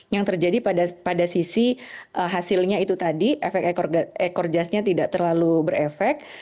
yang terjadi pada sisi hasilnya itu tadi efek ekor jasnya tidak terlalu berefek